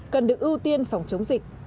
cần được ưu tiên phòng chống dịch